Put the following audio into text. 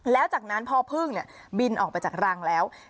แล้วจากนั้นพอพึ่งบินออกไปจากรังแล้ว